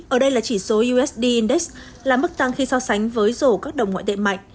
ở đây là chỉ số usd index là mức tăng khi so sánh với rổ các đồng ngoại tệ mạnh